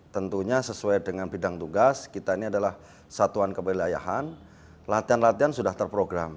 tentunya sesuai dengan bidang tugas kita ini adalah satuan kewilayahan latihan latihan sudah terprogram